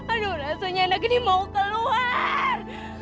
aduh rasanya anak ini mau keluar